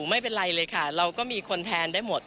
ไม่เป็นไรเลยค่ะเราก็มีคนแทนได้หมด